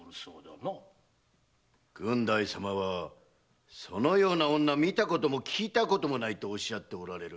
郡代様はそのような女見たことも聞いたこともないとおっしゃっておられる。